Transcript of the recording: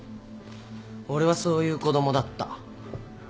俺はそういう子供だった。